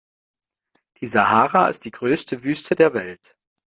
Die Sahara ist die größte Wüste der Welt.